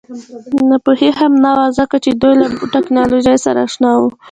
ناپوهي هم نه وه ځکه چې دوی له ټکنالوژۍ سره اشنا وو